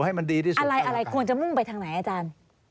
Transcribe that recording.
ให้มันดีที่สุดอะไรควรจะมุ่งไปทางไหนอาจารย์